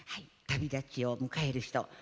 旅立ちを迎える人